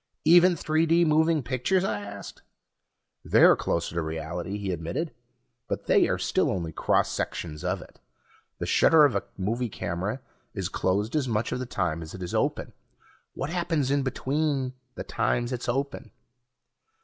"Even 3 D moving pictures?" I asked. "They're closer to reality," he admitted. "But they are still only cross sections of it. The shutter of a movie camera is closed as much of the time as it is open. What happens in between the times it's open?